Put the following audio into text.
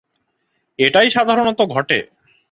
এটাই সাধারণত ঘটে।